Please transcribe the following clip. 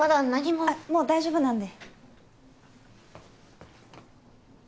あっもう大丈夫なんで。